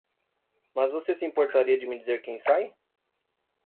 Mas você se importaria de me dizer quem sai?